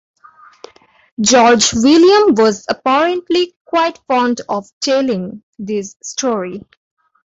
George William was apparently quite fond of telling this story.